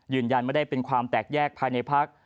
ยืนยันไม่ได้เป็นความแตกแยกภายในพัก